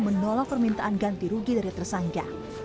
menolak permintaan ganti rugi dari tersangka